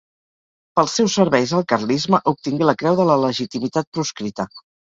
Pels seus serveis al carlisme, obtingué la Creu de la Legitimitat Proscrita.